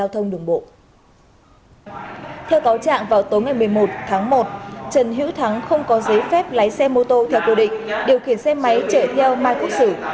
theo cáo trạng vào tối ngày một mươi một tháng một trần hữu thắng không có giấy phép lái xe mô tô theo quy định điều khiển xe máy chở theo mai quốc sử